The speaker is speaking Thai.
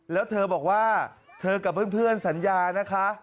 แล้วเธอบอกว่าเธอกับเพื่อนสัญญานะคะ